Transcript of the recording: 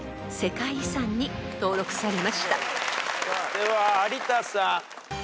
では有田さん。